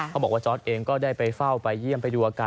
เขาบอกว่าจอร์ดเองก็ได้ไปเฝ้าไปเยี่ยมไปดูอาการ